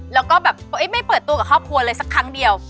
แล้วก็แบบไม่เปิดตัวกับครอบครัวเลยสักครั้งเดียว